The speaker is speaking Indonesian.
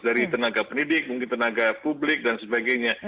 dari tenaga pendidik mungkin tenaga publik dan sebagainya